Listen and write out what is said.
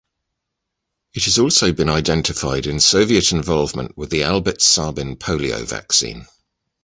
It has also been identified in Soviet involvement with the Albert Sabin polio vaccine.